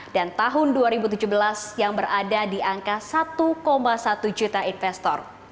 dan tahun dua ribu tujuh belas yang berada di angka satu satu juta investor